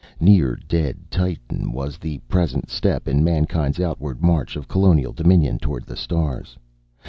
Near dead Titan was the present step in mankind's outward march of colonial dominion toward the stars.